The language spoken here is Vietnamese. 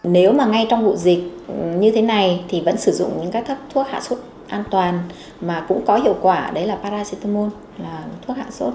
nếu mà ngay trong vụ dịch như thế này thì vẫn sử dụng những các thuốc hạ sốt an toàn mà cũng có hiệu quả đấy là paracetamol là thuốc hạ sốt